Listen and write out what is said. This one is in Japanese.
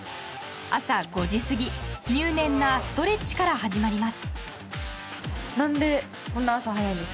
朝５時過ぎ、入念なストレッチから始まります。